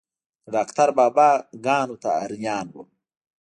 د ډاکتر بابا ګانو ته حيران وم.